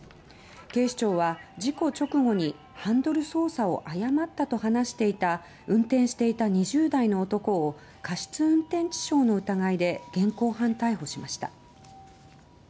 警視庁は事故直後にハンドル操作を誤ったと話していた運転していた２０代の男を過失運転致傷の疑いで現行犯逮捕しました。